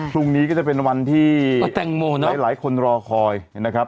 พรุ่งนี้ก็จะเป็นวันที่หลายคนรอคอยนะครับ